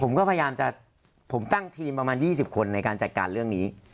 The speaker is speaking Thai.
ผมก็พยายามจะผมตั้งทีมประมาณ๒๐คนในการจัดการเรื่องนี้